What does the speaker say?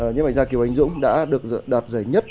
nhóm ảnh gia kiều ánh dũng đã được đạt giải nhất